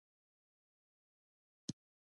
هره ورځ تنکي ځوانان شهیدانېږي